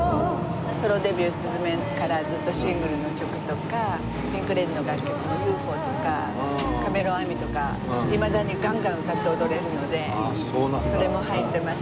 ソロデビュー『すずめ』からずっとシングルの曲とかピンク・レディーの楽曲『ＵＦＯ』とか『カメレオン・アーミー』とかいまだにガンガン歌って踊れるのでそれも入っていますし。